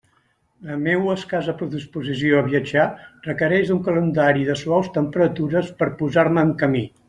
La meua escassa predisposició a viatjar requereix un calendari de suaus temperatures per a posar-me en camí.